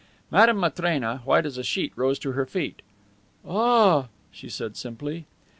Madame Matrena, white as a sheet, rose to her feet. "Ah," she said simply.